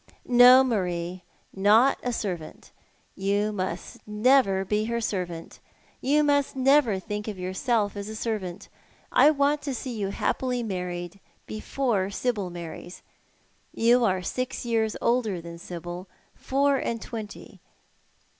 " No, Marie, not a servant. You must never be her servant — you must never think of yourself as a servant. I want to see you happily married before Sibyl marries. You are six years older than Sibyl — four and twenty.